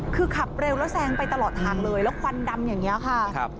คือขับเร็วแล้วแซงไปตลอดทางเลยแล้วควันดำอย่างนี้ค่ะ